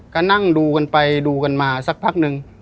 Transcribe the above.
ก็นั่งดูกันไปดูกันมาสักพักนึง